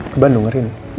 ke bandung hari ini